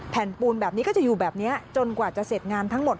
ปูนแบบนี้ก็จะอยู่แบบนี้จนกว่าจะเสร็จงานทั้งหมด